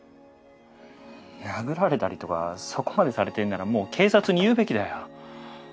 殴られたりとかそこまでされてるならもう警察に言うべきだよ。